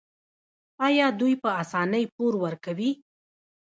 آیا دوی په اسانۍ پور ورکوي؟